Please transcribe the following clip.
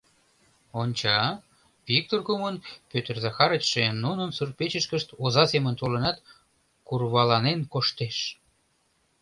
Онча, Виктыр кумын Пӧтыр Захарычше нунын сурт-печышкышт оза семын толынат, курваланен коштеш.